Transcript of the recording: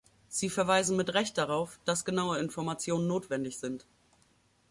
Sie verweisen mit Recht darauf, dass genaue Informationen notwendig sind.